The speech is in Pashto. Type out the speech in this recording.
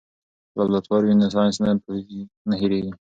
که لابراتوار وي نو ساینس نه هېریږي.